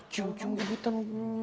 cucung cucung kebutan gua